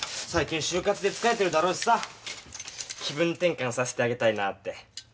最近就活で疲れてるだろうしさ気分転換させてあげたいなって。